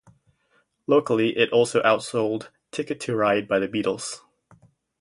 Locally it also outsold "Ticket To Ride" by The Beatles.